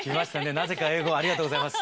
なぜか英語ありがとうございます。